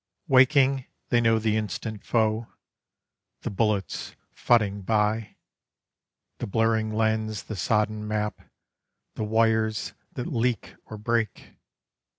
Waking, they know the instant foe, the bullets phutting by, The blurring lens, the sodden map, the wires that leak or break!